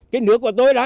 cái nước của tôi đó